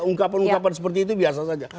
ungkapan ungkapan seperti itu biasa saja